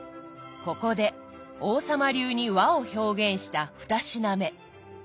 ここで王様流に和を表現した２品目。